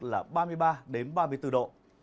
là ba mươi ba đến ba mươi bốn độ